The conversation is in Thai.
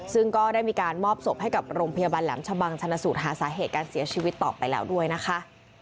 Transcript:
ซึ่งก็ได้มีการมอบศพให้กับโรงพยาบาลแหลมชะบังชนะสูตรหาสาเหตุการเสียชีวิตต่อไปแล้วด้วยนะคะ